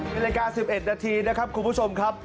เป็นรายการ๑๑นาทีครับคุณผู้ชมครับ